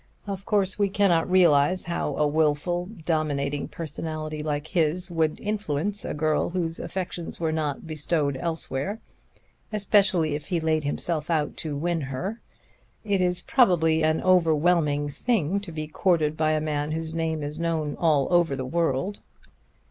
Of course we cannot realize how a wilful, dominating personality like his would influence a girl whose affections were not bestowed elsewhere; especially if he laid himself out to win her. It is probably an overwhelming thing to be courted by a man whose name is known all over the world.